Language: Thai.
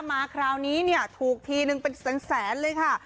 มาคราวนี้เนี่ยถูกทีนึงเป็นแสนเลยค่ะ